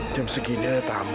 jam segini ada tamu